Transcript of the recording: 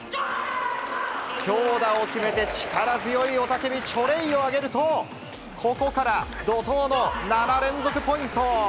強打を決めて力強い雄たけび、チョレイを上げると、ここから怒とうの７連続ポイント。